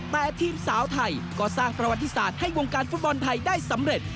แต่ทีมสาวไทยก็สร้างประวัติศาสตร์ให้วงการฟุตบอลไทยได้สำเร็จ